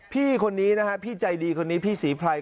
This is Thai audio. พี่คนนี้นะฮะพี่ใจดีคนนี้พี่ศรีไพร